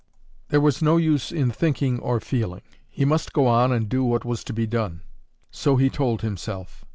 There was no use in thinking or feeling; he must go on and do what was to be done. So he told himself.